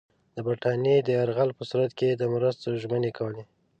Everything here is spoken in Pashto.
د برټانیې د یرغل په صورت کې د مرستو ژمنې کولې.